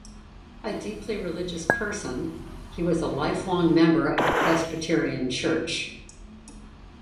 A deeply religious person, he was a lifelong member of the Presbyterian church.